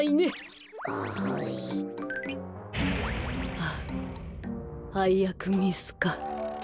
はあはいやくミスか。